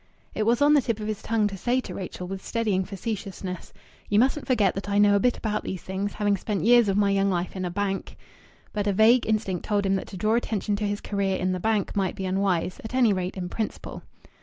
It was on the tip of his tongue to say to Rachel, with steadying facetiousness "You mustn't forget that I know a bit about these things, having spent years of my young life in a bank." But a vague instinct told him that to draw attention to his career in the bank might be unwise at any rate, in principle.